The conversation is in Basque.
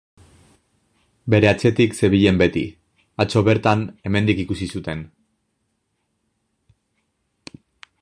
Bere atzetik zebilen beti, atzo bertan hemendik ikusi zuten.